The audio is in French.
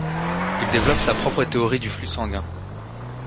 Il développe sa propre théorie du flux sanguin.